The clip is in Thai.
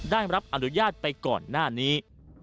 ได้รับอนุญาตไปก่อนหน้านี้